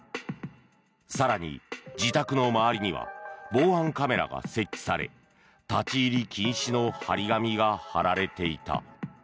更に、自宅の周りには防犯カメラが設置され立ち入り禁止の貼り紙が貼られていた。